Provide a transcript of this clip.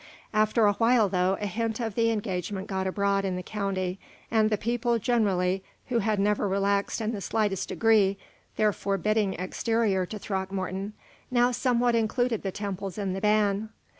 After a while, though, a hint of the engagement got abroad in the county, and the people generally, who had never relaxed in the slightest degree their forbidding exterior to Throckmorton, now somewhat included the Temples in the ban.